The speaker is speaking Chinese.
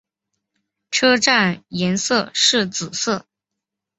车站颜色是紫色。